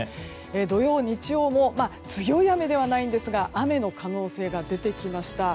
土曜、日曜も強い雨ではないんですが雨の可能性が出てきました。